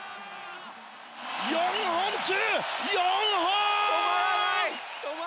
４本中４本！